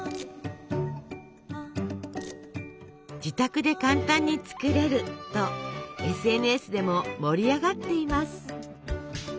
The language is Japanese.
「自宅で簡単に作れる！」とＳＮＳでも盛り上がっています。